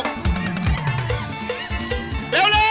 ใจเร็ว